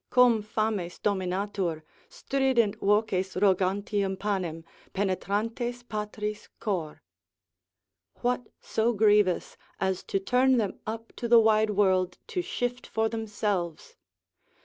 cum fames dominatur, strident voces rogantium panem, penetrantes patris cor: what so grievous as to turn them up to the wide world, to shift for themselves?